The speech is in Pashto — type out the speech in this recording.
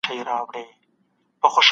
ایا د مېوې خوړل د بدن لپاره ګټور دي؟